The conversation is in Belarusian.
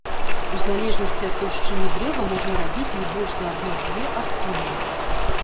У залежнасці ад таўшчыні дрэва можна рабіць не больш за адну-дзве адтуліны.